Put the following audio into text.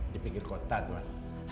di pinggir kota tuan